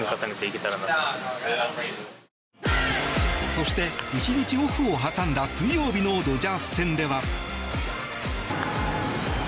そして、１日オフを挟んだ水曜日のドジャース戦では。